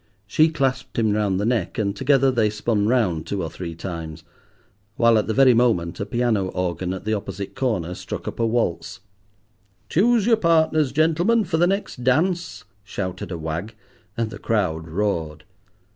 She clasped him round the neck, and together they spun round two or three times; while at the very moment a piano organ at the opposite corner struck up a waltz. "Choose your partners, gentlemen, for the next dance," shouted a wag, and the crowd roared.